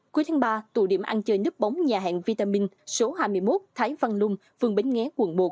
cuối tháng ba tụ điểm ăn chơi nếp bóng nhà hàng vitamin số hai mươi một thái văn lung phường bến nghé quận một